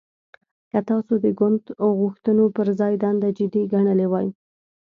که تاسو د ګوند غوښتنو پر ځای دنده جدي ګڼلې وای